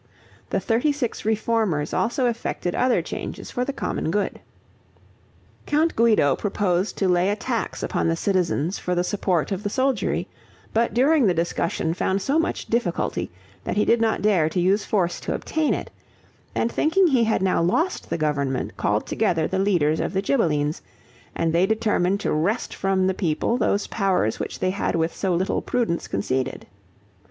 The thirty six reformers also effected other changes for the common good. Count Guido proposed to lay a tax upon the citizens for the support of the soldiery; but during the discussion found so much difficulty, that he did not dare to use force to obtain it; and thinking he had now lost the government, called together the leaders of the Ghibellines, and they determined to wrest from the people those powers which they had with so little prudence conceded.